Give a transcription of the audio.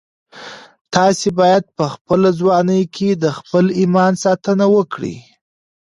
تاسي باید په خپله ځواني کي د خپل ایمان ساتنه وکړئ.